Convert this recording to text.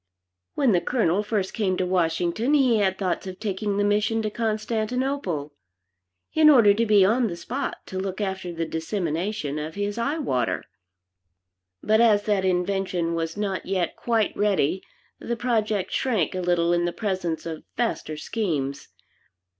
When the Colonel first came to Washington he had thoughts of taking the mission to Constantinople, in order to be on the spot to look after the dissemination of his Eye Water, but as that invention; was not yet quite ready, the project shrank a little in the presence of vaster schemes.